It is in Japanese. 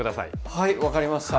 はい分かりました。